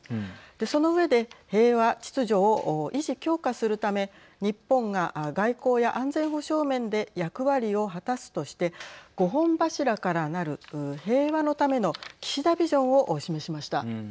その上で平和、秩序を維持、強化するため日本が、外交や安全保障面で役割を果たすとして５本柱からなる平和のための岸田ビジョンを示しました。